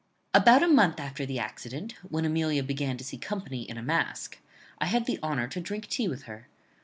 "About a month after the accident, when Amelia began to see company in a mask, I had the honour to drink tea with her.